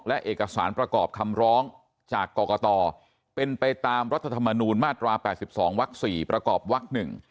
และเอกสารประกอบคำร้องจากกรกตเป็นไปตามรัฐธรรมนูญมาตรา๘๒วัก๔ประกอบวัก๑